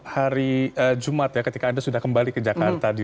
hari jumat ya ketika anda sudah kembali ke jakarta